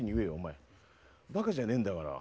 バカじゃねえんだから。